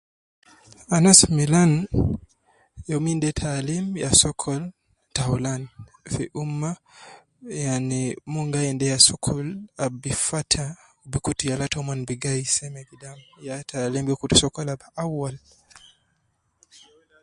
Anas milan, yomin de taalim ya sokol taulan fi umma, yani mon gi ain de ya sokol ab gi fata, bi kutu yala tomon bi gai seme gidam, ya taalim gi kutu sokol ab awal